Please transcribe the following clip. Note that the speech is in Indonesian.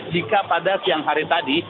jika pada siang hari tadi